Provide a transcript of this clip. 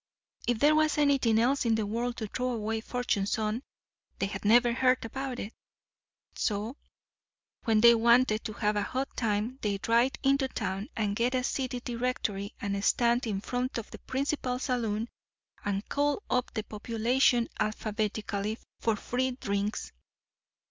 If there was anything else in the world to throw away fortunes on, they had never heard about it. So, when they wanted to have a hot time, they'd ride into town and get a city directory and stand in front of the principal saloon and call up the population alphabetically for free drinks.